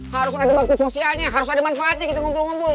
harus ada bakti sosialnya harus ada manfaatnya gitu ngumpul ngumpul